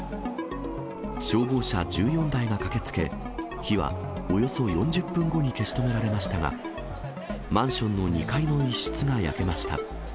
消防車１４台が駆けつけ、火はおよそ４０分後に消し止められましたが、マンションの２階の一室が焼けました。